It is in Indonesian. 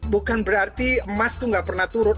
bukan berarti emas itu nggak pernah turun